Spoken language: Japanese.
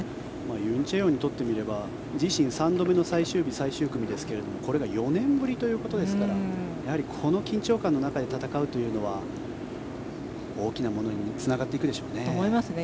ユン・チェヨンにとってみれば自身３度目の最終日、最終組ですがこれが４年ぶりということですからやはりこの緊張感の中で戦うというのは大きなものにつながっていくでしょうね。と思いますね。